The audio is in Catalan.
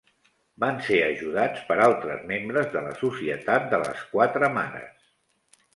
Van ser ajudats per altres membres de la Societat de les Quatre Mares.